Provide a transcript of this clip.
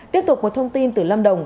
tiếp tục một thông tin từ lâm đồng